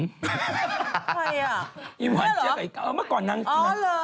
ใครล่ะนี้เหรออ่อเหรอ